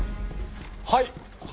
はい。